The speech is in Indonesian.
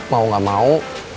mau gak mau